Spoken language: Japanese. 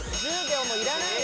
１０秒もいらない